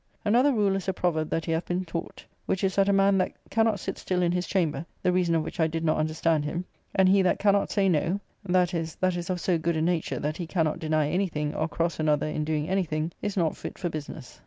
Another rule is a proverb that he hath been taught, which is that a man that cannot sit still in his chamber (the reason of which I did not understand him), and he that cannot say no (that is, that is of so good a nature that he cannot deny any thing, or cross another in doing any thing), is not fit for business.